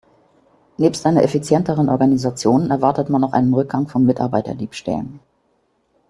Nebst einer effizienteren Organisation erwartet man auch einen Rückgang von Mitarbeiterdiebstählen.